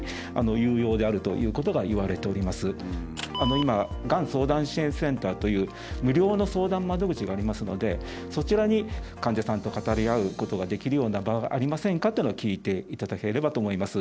今がん相談支援センターという無料の相談窓口がありますのでそちらに「患者さんと語り合うことができるような場はありませんか？」っていうのを聞いていただければと思います。